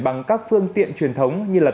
bằng các phương tiện truyền thống như là